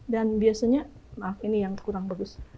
dan biasanya maaf ini yang kurang bagus